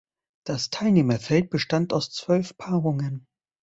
Das Teilnehmerfeld bestand aus zwölf Paarungen.